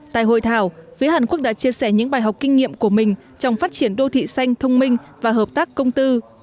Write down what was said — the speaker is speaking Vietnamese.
tại hội thảo phía hàn quốc đã chia sẻ những bài học kinh nghiệm của mình trong phát triển đô thị xanh thông minh và hợp tác công tư